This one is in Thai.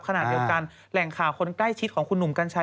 ขณะเดียวกันแหล่งข่าวคนใกล้ชิดของคุณหนุ่มกัญชัย